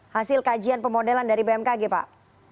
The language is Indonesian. hasil kajian pemodelan dari bmkg pak